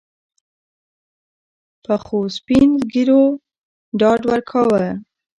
پخوسپین ږیرو ډاډ ورکاوه.